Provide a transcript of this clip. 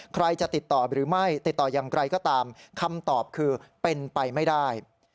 ใครจะติดต่อหรือไม่ติดต่ออย่างไรก็ตามคำตอบคือเป็นไปไม่ได้